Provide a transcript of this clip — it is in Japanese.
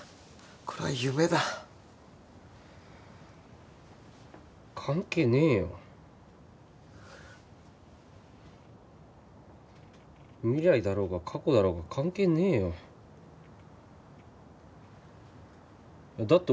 これは夢だ関係ねえよ未来だろうが過去だろうが関係ねえよだって